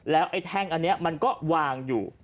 ไอ้แท่งอันนี้มันก็วางอยู่